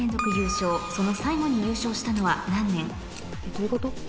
どういうこと？